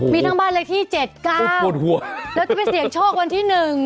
มีทั้งบ้านเลขที่๗๙แล้วจะไปเสียงโชควันที่๑